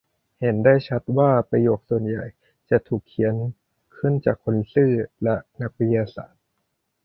เห็นได้ชัดว่าประโยคส่วนใหญ่จะถูกเขียนขึ้นจากคนซื่อและนักวิทยาศาสตร์